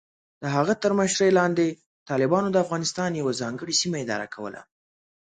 د هغه تر مشرۍ لاندې، طالبانو د افغانستان یوه ځانګړې سیمه اداره کوله.